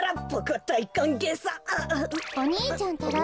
お兄ちゃんたら！